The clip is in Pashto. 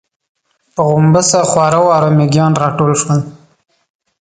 پر غومبسه خواره واره مېږيان راټول شول.